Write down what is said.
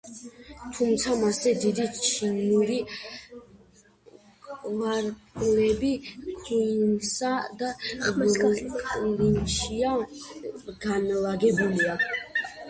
თუმცა მასზე დიდი ჩინური კვარტლები ქუინსსა და ბრუკლინშია განლაგებული.